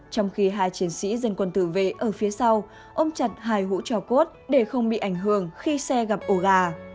trong khi hai chiến sĩ dân quân tử vệ ở phía sau ông chặt hai hũ cho cốt để không bị ảnh hưởng khi xe gặp ổ gà